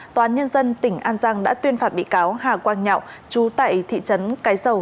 tòa án nhân dân tỉnh an giang đã tuyên phạt bị cáo hà quang nhạo chú tại thị trấn cái dầu